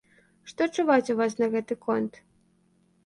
Што чуваць у вас на гэты конт?